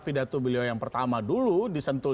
pidato beliau yang pertama dulu disentuh